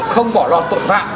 không bỏ lọt tội phạm